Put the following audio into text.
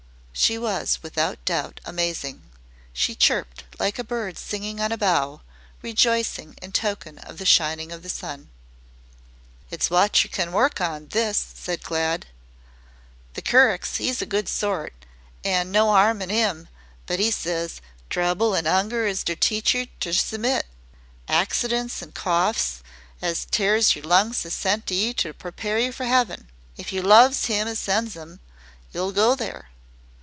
She was without doubt amazing. She chirped like a bird singing on a bough, rejoicing in token of the shining of the sun. "It's wot yer can work on this," said Glad. "The curick 'e's a good sort an' no' 'arm in 'im but 'e ses: 'Trouble an' 'unger is ter teach yer ter submit. Accidents an' coughs as tears yer lungs is sent you to prepare yer for 'eaven. If yer loves 'Im as sends 'em, yer 'll go there.'